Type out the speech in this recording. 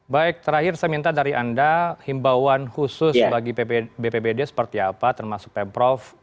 baik terakhir saya minta dari anda himbauan khusus bagi bpbd seperti apa termasuk pemprov